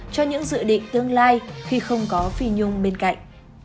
cho những dự định tương lai khi không có phi nhung bên cạnh